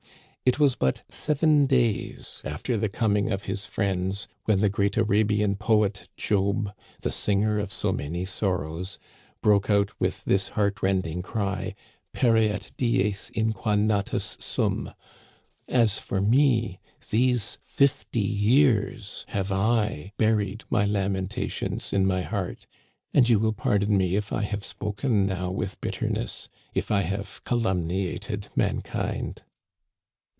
It was but seven days after the coming of his friends when the great Arabian poet Job, the singer of so many sorrows, broke out with this heart rending cry, ^ Per eat dies in qua natus sum!* As for me, these fifty years have I buried my lamentations in my heart, and you will pardon me if I have spoken now with bit terness, if I have calumniated mankind.